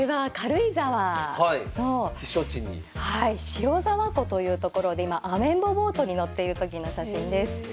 塩沢湖という所で今アメンボボートに乗っている時の写真です。